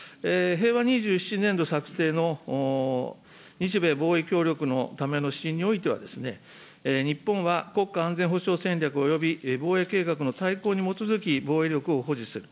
へいわ２７年度策定の日米防衛協力のための指針においては、日本は国会安全保障戦略および、防衛計画の大綱に基づき防衛力を保持する。